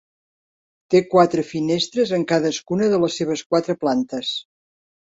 Té quatre finestres en cadascuna de les seves quatre plantes.